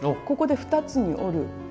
ここで二つに折る。